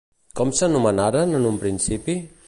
Com s'anomenaren en un principi?